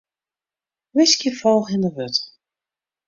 Wiskje folgjende wurd.